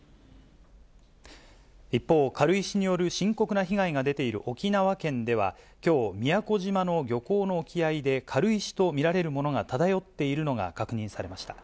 一方、軽石による深刻な被害が出ている沖縄県では、きょう、宮古島の漁港の沖合で軽石と見られるものが漂っているのが確認されました。